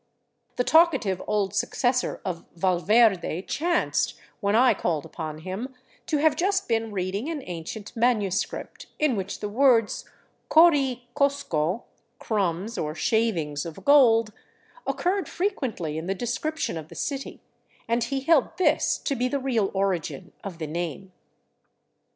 The talkative old successor of Valverde chanced, when I called upon him, to have just been reading an ancient manuscript in which the words ccori ccoscco (crumbs or shavings of gold), occurred frequently in the de scription of the city, and he held this to be the real origin of the name.